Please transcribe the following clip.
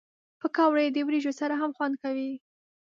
پکورې د وریجو سره هم خوند کوي